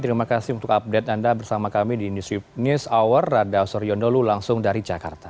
terima kasih untuk update anda bersama kami di news hour rada oso riondolu langsung dari jakarta